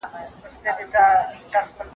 ما دي ولیدل په کور کي د اغیارو سترګکونه